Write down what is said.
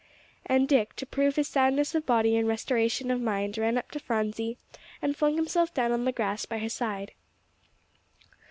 And Dick, to prove his soundness of body and restoration of mind, ran up to Phronsie, and flung himself down on the grass by her side.